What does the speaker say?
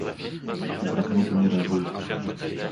І прагнозы не радуюць.